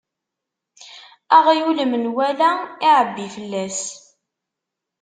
Aɣyul, menwala iɛebbi fell-as.